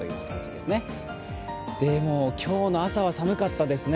でも、今日の朝は寒かったですね。